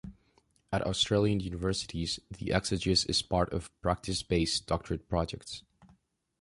At Australian universities, the exegesis is part of practice-based doctorate projects.